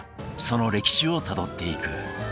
その歴史をたどっていく。